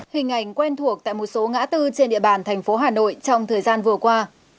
hình ảnh quen thuộc tại một số ngã tư trên địa bàn thành phố hà nội trong thời gian vừa qua